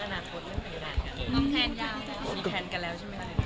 มีแผนกันแล้วใช่มั้ย